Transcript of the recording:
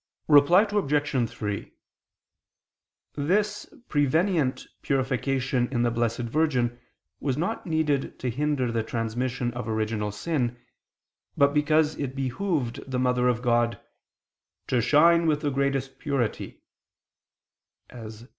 Reply Obj. 3: This prevenient purification in the Blessed Virgin was not needed to hinder the transmission of original sin, but because it behooved the Mother of God "to shine with the greatest purity" [*Cf.